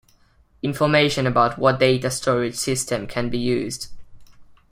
Information about what data storage system can be used.